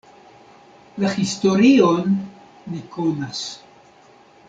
La historion ni konas.